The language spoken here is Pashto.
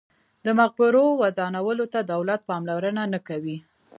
د مقبرو ودانولو ته دولت پاملرنه نه کوي.